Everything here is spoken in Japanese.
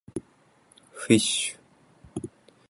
fish